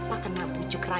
loh salah seseorang